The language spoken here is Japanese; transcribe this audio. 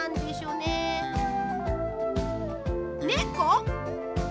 ねこ！？